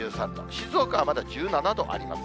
静岡はまだ１７度あります。